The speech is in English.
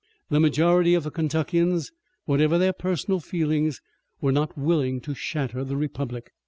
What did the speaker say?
The majority of the Kentuckians, whatever their personal feelings, were not willing to shatter the republic.